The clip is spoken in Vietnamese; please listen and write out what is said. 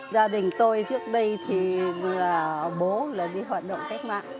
gia đình tôi trước đây thì bố là đi hoạt động cách mạng